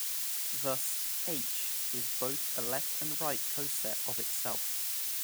Thus "H" is both a left and right coset of itself.